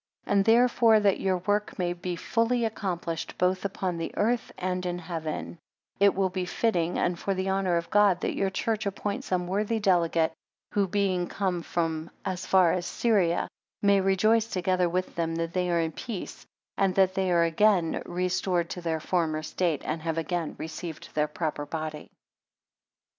17 And therefore, that your work may be fully accomplished, both upon earth and in heaven; it will be fitting, and for the honour of God, that your church appoint some worthy delegate, who being come as far as Syria, may rejoice together with them that they are in peace; and that they are again restored to their former state, and have again received their proper body.